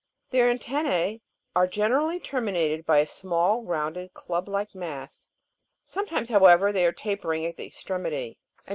Their antennoe are generally terminated by a small rounded club like mass ; some times, however, they are tapering at the extremity, and curved Fig.